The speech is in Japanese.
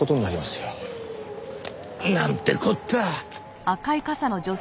なんてこった。